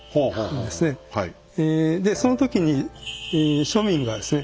でその時に庶民がですね